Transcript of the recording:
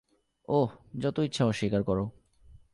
ওহ, যতো ইচ্ছা অস্বীকার করো।